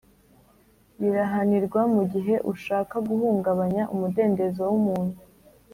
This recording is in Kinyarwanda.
Birahanirwa mu gihe ushaka guhungabanya umudendezo w’umuntu